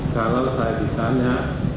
kalau saya ditanya